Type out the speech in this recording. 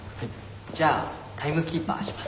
じゃあタイムキーパーします。